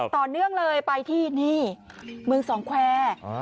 ต่อเนื่องเลยไปที่นี่เมืองสองแควร์